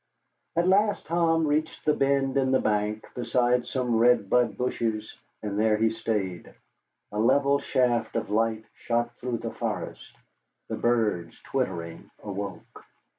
At last Tom reached the bend in the bank, beside some red bud bushes, and there he stayed. A level shaft of light shot through the forest. The birds, twittering, awoke.